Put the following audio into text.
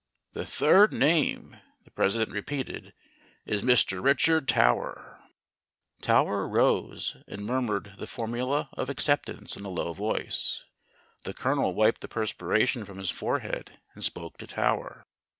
"The third name," the President repeated, "is Mr. Richard Tower." Tower rose and murmured the formula of accept ance in a low voice. The Colonel wiped the perspira tion from his forehead and spoke to Tower.